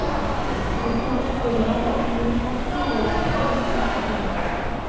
অধিকাংশ পরিবার এখন দিনে কাজ করলেও রাতে সেখানে থাকতে পারে না।